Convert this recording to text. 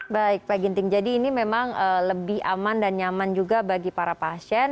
baik pak ginting jadi ini memang lebih aman dan nyaman juga bagi para pasien